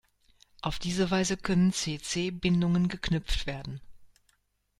Auf diese Weise können C-C-Bindungen geknüpft werden.